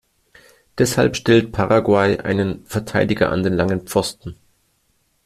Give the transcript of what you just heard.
Deshalb stellt Paraguay einen Verteidiger an den langen Pfosten.